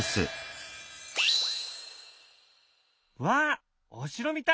わあお城みたい！